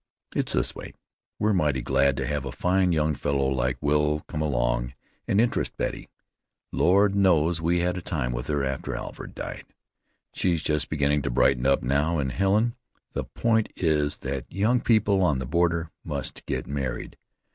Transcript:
"It's this way. We're mighty glad to have a fine young fellow like Will come along and interest Betty. Lord knows we had a time with her after Alfred died. She's just beginning to brighten up now, and, Helen, the point is that young people on the border must get married.